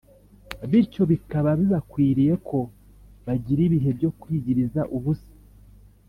bityo bikaba bibakwiriye ko bagira ibihe byo kwiyiriza ubusa